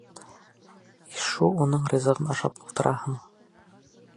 Ишшу уның ризығын ашап ултыраһың!